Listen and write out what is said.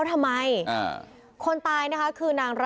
พี่สาวคือ